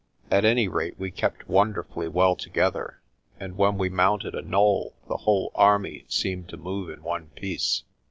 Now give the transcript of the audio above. At any rate we kept wonderfully well together, and when we mounted a knoll the whole army seemed to move in one piece.